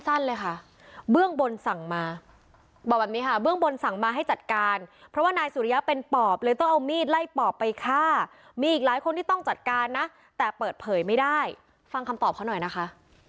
เบื้องบนสั่งมาบอกแบบนี้ค่ะเบื้องบนสั่งมาให้จัดการเพราะว่านายสุริยะเป็นปอบเลยต้องเอามีดไล่ปอบไปฆ่ามีอีกหลายคนที่ต้องจัดการนะแต่เปิดเผยไม่ได้ฟังคำตอบเขาหน่อยนะคะ